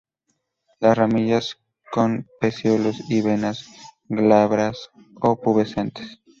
Las ramillas con pecíolos y venas glabras o pubescentes.